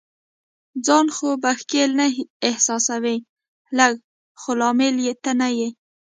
ځان خو به ښکیل نه احساسوې؟ لږ، خو لامل یې ته نه یې.